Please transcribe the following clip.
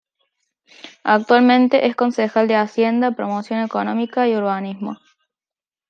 Actualmente es concejal de Hacienda, Promoción Económica y Urbanismo.